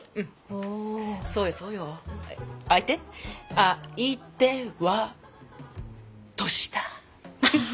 あいては年下。